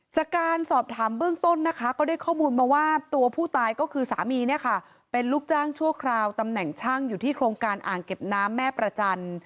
จากการสอบถามเบื้องต้นนะคะก็ได้ข้อมูลมาว่าตัวผู้ตายก็คือสามีเนี่ยค่ะเป็นลูกจ้างชั่วคราวตำแหน่งช่างอยู่ที่โครงการอ่างเก็บน้ำแม่ประจันทร์